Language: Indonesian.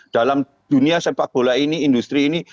dalam dunia sepak bola ini industri ini